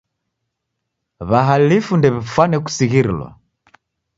W'ahalifu ndew'ifwane kusighirilwa.